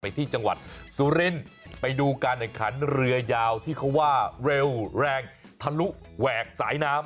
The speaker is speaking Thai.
ที่จังหวัดสุรินทร์ไปดูการแข่งขันเรือยาวที่เขาว่าเร็วแรงทะลุแหวกสายน้ำ